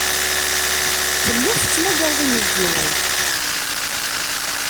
Tellid tettmagared inebgiwen.